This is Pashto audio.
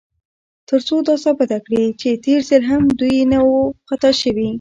تر څو دا ثابته کړي، چې تېر ځل هم دوی نه و خطا شوي.